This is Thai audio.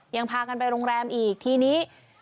ยังพากันไปโรงแรมอีกทีนี้